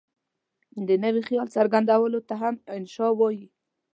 د نوي خیال څرګندولو ته هم انشأ وايي.